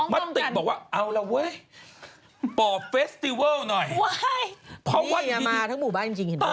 มันเป็นดวงวิญญาณในหมู่บ้าน